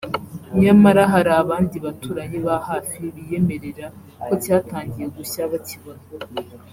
nyamara hari abandi baturanyi ba hafi biyemerera ko cyatangiye gushya bakibona